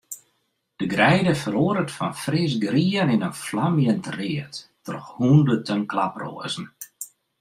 De greide feroaret fan frisgrien yn in flamjend read troch hûnderten klaproazen.